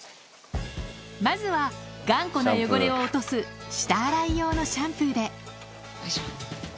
まずは頑固な汚れを落とす下洗い用のシャンプーで。